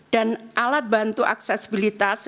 dan alat bantu aksesibilitas